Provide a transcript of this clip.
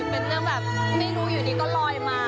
เป็นเรื่องแบบไม่รู้อยู่ดีก็ลอยมา